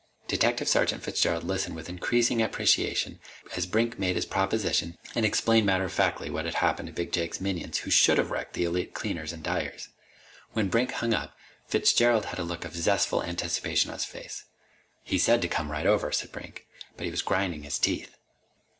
Detective Sergeant Fitzgerald listened with increasing appreciation as Brink made his proposition and explained matter of factly what had happened to Big Jake's minions who should have wrecked the Elite Cleaners and Dyers. When Brink hung up, Fitzgerald had a look of zestful anticipation on his face. "He said to come right over," said Brink. "But he was grinding his teeth."